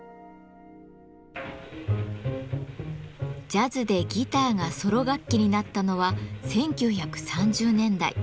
ジャズでギターがソロ楽器になったのは１９３０年代。